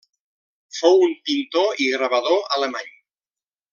Fou un pintor i gravador alemany.